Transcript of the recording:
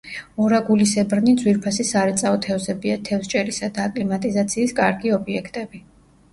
ორაგულისებრნი ძვირფასი სარეწაო თევზებია, თევზჭერისა და აკლიმატიზაციის კარგი ობიექტები.